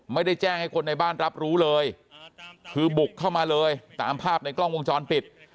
ไม่ได้แจ้งให้คนในบ้านรับรู้เลยคือบุกเข้ามาเลยตามภาพในกล้องวงจรปิด